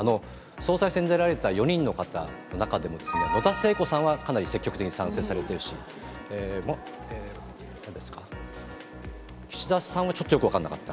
総裁選に出られた４人の方の中でも、野田聖子さんは、かなり積極的に賛成されているし、なんですか、岸田さんはちょっとよく分かんなかった。